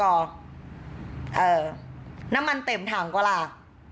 เออน้ำมันเต็มถังก็ล่ะ